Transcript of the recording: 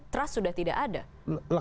trust sudah tidak ada